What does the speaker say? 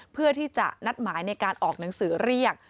เพื่อที่จะนัดหมายในการออกหนังสือเรียก